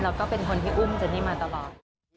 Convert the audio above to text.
แล้วก็เป็นคนที่อุ้มเจนี่มาตลอด